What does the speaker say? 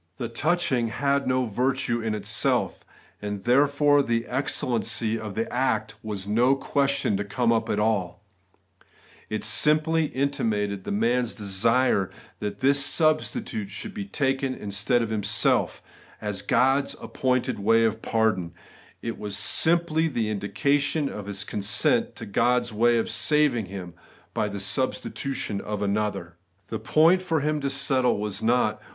The touching had no virtue in itself, and therefore the excellency of the act was no question to come up at all : it simply intimated the man's desire that this sacrifice should be taken in stead of himself, as God's appointed way of pardon ; it was simply the indication of his consent to God's way of saving him, by the substitution of another. The point for him to settle was not.